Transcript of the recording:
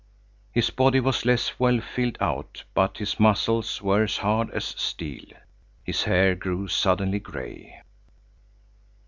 His body was less well filled out but his muscles were as hard as steel. His hair grew suddenly gray.